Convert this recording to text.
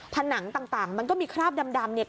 ผนังต่างมันก็มีคราบดำเนี่ย